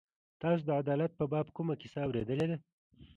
تاسو د عدالت په باب کومه کیسه اورېدلې ده.